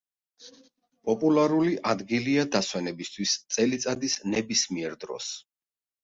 პოპულარული ადგილია დასვენებისთვის წელიწადის ნებისმიერ დროს.